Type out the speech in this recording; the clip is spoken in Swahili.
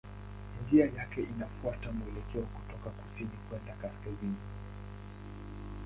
Njia yake inafuata mwelekeo kutoka kusini kwenda kaskazini.